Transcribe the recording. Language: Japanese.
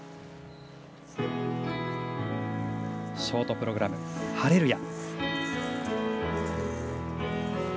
ショートプログラム「ハレルヤ」。